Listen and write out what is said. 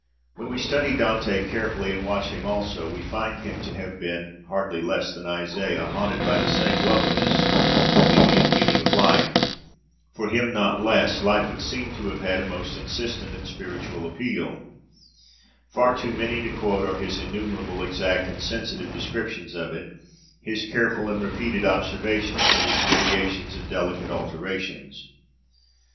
When we study Dante carefully and watch with him also, we find him to have been, hardly less than Isaiah, haunted by the same loveliness, the beauty and meaning of light. For him not less, light would seem to have had a most insistent and spiritual appeal. Far too many to quote are his innumerable exact and sensitive descriptions of it, his careful and repeated observations of its gradations and delicate alterations.